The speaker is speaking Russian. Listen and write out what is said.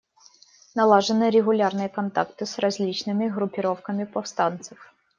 Налажены регулярные контакты с различными группировками повстанцев.